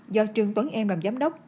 do trương tuấn em làm giám đốc